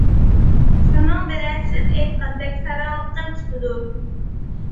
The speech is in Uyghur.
شۇنىڭ بىلەن سىز ئېيتقان ساراڭلىقىم تۇتىدۇ.